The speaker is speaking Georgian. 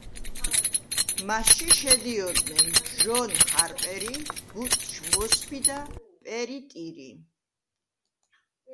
მასში შედიოდნენ ჯონ ჰარპერი, ბუტჩ მოსბი და პერი ტირი.